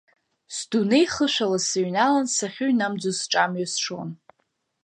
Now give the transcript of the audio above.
Сдунеи хышәала сыҩналан, сахьыҩнамӡоз сҿамҩа сшон.